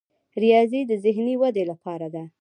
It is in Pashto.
ریاضي د ذهني ودې لپاره ده.